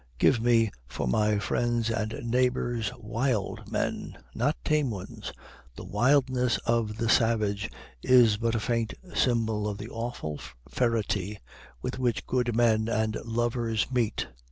Give me for my friends and neighbors wild men, not tame ones. The wildness of the savage is but a faint symbol of the awful ferity with which good men and lovers meet.